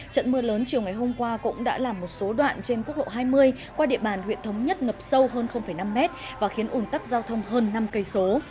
trận mưa lớn chiều ngày hôm qua cũng đã làm một số đoạn trên quốc lộ hai mươi qua địa bàn huyện thống nhất ngập sâu hơn năm mét và khiến ủn tắc giao thông hơn năm cây số